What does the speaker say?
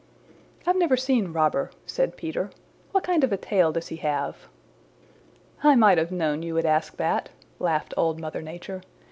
"I've never seen Robber," said Peter. "What kind of a tail does he have?" "I might have known you would ask that," laughed Old Mother Nature.